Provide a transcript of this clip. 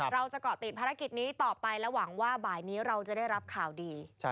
เราจะเกาะติดภารกิจนี้ต่อไปและหวังว่าบ่ายนี้เราจะได้รับข่าวดี